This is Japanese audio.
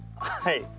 はい。